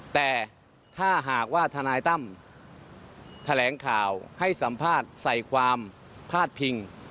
แต่ถ้าหากว่าทนายตั้มแถลงข่าวให้สัมภาษณ์ใส่ความพาดพิง